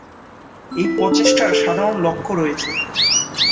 এই প্রচেষ্টার সাধারণ লক্ষ্য রয়েছে।